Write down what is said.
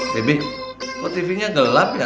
tapi kok tv nya gelap ya